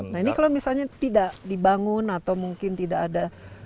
nah ini kalau misalnya tidak dibangun atau mungkin tidak ada